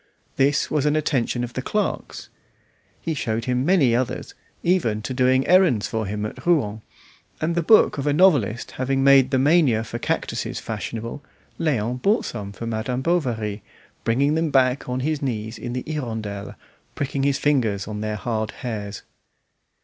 This was an attention of the clerk's. He showed him many others, even to doing errands for him at Rouen; and the book of a novelist having made the mania for cactuses fashionable, Léon bought some for Madame Bovary, bringing them back on his knees in the "Hirondelle," pricking his fingers on their hard hairs.